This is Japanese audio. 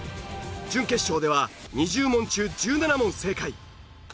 準決勝では２０問中１７問正解。